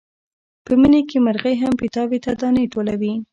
په مني کې مرغۍ هم پیتاوي ته دانې ټولوي.